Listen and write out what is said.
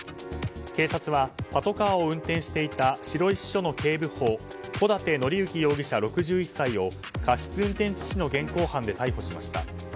警察はパトカーを運転していた白石署の警部補小舘紀幸容疑者、６１歳を過失運転致死の現行犯で逮捕しました。